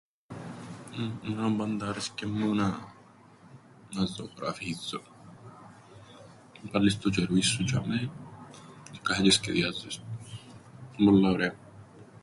Εμέναν πάντα άρεσκεν μου να, να ζωγραφίζω. Βάλλεις το τζ̆ερούιν σου τζ̆ειαμαί τζ̆αι κάθεσαι τζ̆αι σκεδιάζεις το. Εν' πολλά ωραία.